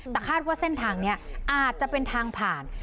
แต่คาดว่าเส้นทางนี้อาจจะเป็นทางผ่าน